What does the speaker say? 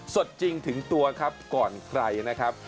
สดจริงถึงตัวครับก่อนใครนะครับ